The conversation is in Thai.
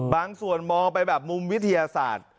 บางส่วนมองไปแบบมุมวิทยาศาสตร์